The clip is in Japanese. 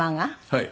はい。